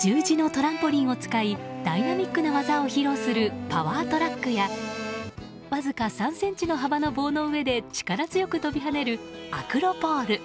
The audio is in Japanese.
十字のトランポリンを使いダイナミックな技を披露するパワートラックやわずか３ｃｍの幅の棒の上で力強く飛び跳ねるアクロ・ポール。